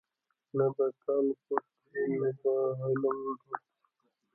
نه به کاڼې پوست شي، نه به غلیم دوست شي.